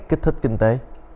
kích thích kinh tế